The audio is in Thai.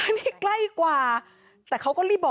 นี่ใกล้กว่าอีกนะครับ